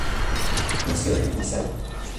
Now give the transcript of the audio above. Nació en Bissau.